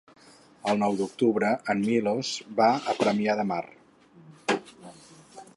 El nou d'octubre en Milos va a Premià de Mar.